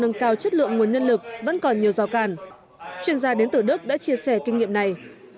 nâng cao chất lượng nguồn nhân lực vẫn còn nhiều rào càn chuyên gia đến từ đức đã chia sẻ kinh nghiệm này